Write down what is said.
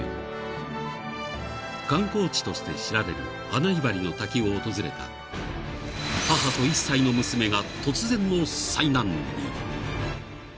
［観光地として知られるアナイヴァリの滝を訪れた母と１歳の娘が突然の災難に］